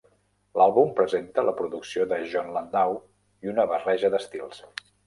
L'àlbum presenta la producció de Jon Landau i una barreja d'estils.